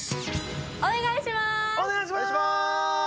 お願いします！